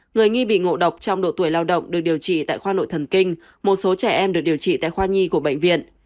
người nghi bị ngộ độc trong độ tuổi lao động được điều trị tại khoa nội thần kinh một số trẻ em được điều trị tại khoa nhi của bệnh viện